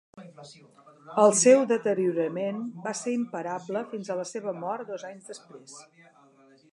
El seu deteriorament va ser imparable fins a la seva mort dos anys després.